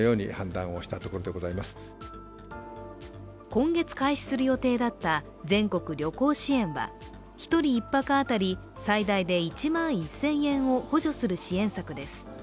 今月開始する予定だった全国旅行支援は１人１泊当たり最大で１万１０００円を補助する支援策です。